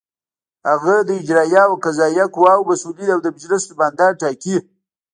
هغه د اجرائیه او قضائیه قواوو مسؤلین او د مجلس نوماندان ټاکي.